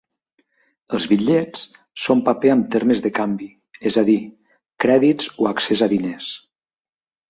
Els bitllets són paper amb termes de canvi, és a dir, crèdits o accés a diners.